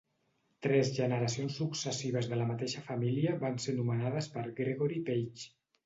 Tres generacions successives de la mateixa família van ser nomenades per Gregory Page.